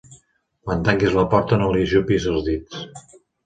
Quan tanquis la porta, no li ajupis els dits.